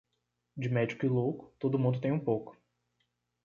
De médico e louco, todo mundo tem um pouco